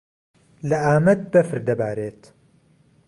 لە ئامەد بەفر دەبارێت.